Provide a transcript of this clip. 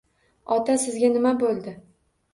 Ota, sizga nima bo`ldi